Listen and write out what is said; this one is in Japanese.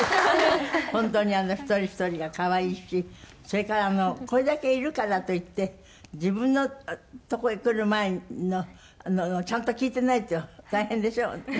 本当に一人ひとりが可愛いしそれからこれだけいるからといって自分のとこへくる前のちゃんと聴いてないと大変でしょ？